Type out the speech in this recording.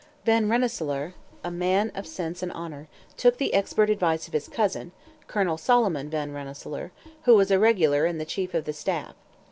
Van Rensselaer, a man of sense and honour, took the expert advice of his cousin, Colonel Solomon Van Rensselaer, who was a regular and the chief of the staff.